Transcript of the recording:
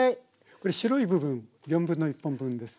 これ白い部分1/4本分ですね。